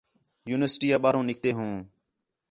یونیورسٹی آ ٻاہروں نِکتے ہوں